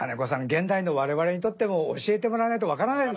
現代の我々にとっても教えてもらわないと分からないですね。